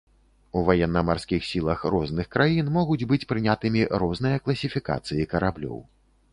У ваенна-марскіх сілах розных краін могуць быць прынятымі розныя класіфікацыі караблёў.